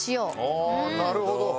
ああーなるほど。